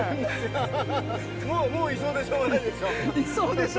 ハハハハもうもういそうでしょうがないでしょ